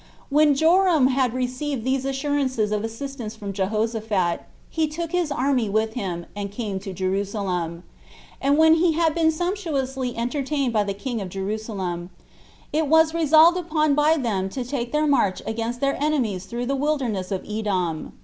When Joram had received these assurances of assistance from Jehoshaphat, he took his army with him, and came to Jerusalem; and when he had been sumptuously entertained by the king of Jerusalem, it was resolved upon by them to take their march against their enemies through the wilderness of Edom.